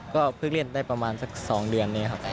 ก็เพิ่งเล่นได้ประมาณสัก๒เดือนนี้ครับ